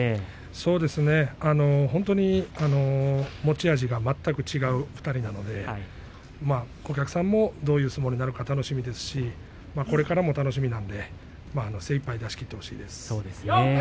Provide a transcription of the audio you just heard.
そうですね、本当に持ち味の全く違う２人なのでお客さんもどういう相撲になるのか楽しみですしこれからも楽しみなので精いっぱい出しきってほしいです。